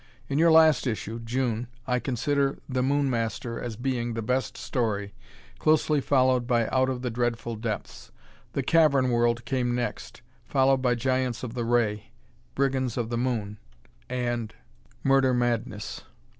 In your last issue (June) I consider "The Moon Master" as being the best story, closely followed by "Out of the Dreadful Depths." "The Cavern World" came next, followed by "Giants of the Ray," "Brigands of the Moon" and "Murder Madness."